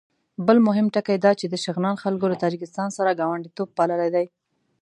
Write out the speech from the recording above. بل مهم ټکی دا چې د شغنان خلکو له تاجکستان سره ګاونډیتوب پاللی دی.